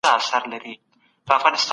څو قصابان په دې کار بوخت شول.